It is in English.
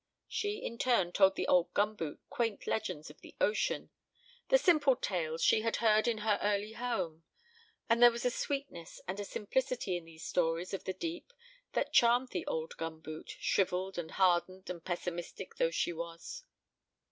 She in turn told the old gum boot quaint legends of the ocean, the simple tales she had heard in her early home; and there was a sweetness and a simplicity in these stories of the deep that charmed the old gum boot, shrivelled and hardened and pessimistic though she was.